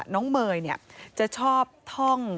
น้องเมย์จะชอบท่อง